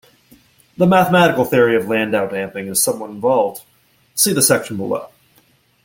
The mathematical theory of Landau damping is somewhat involved-see the section below.